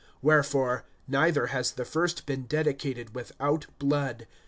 (18)Wherefore, neither has the first been dedicated without blood.